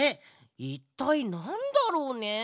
いったいなんだろうね？